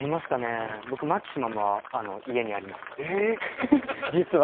僕、マキシマムは家にあります、実は。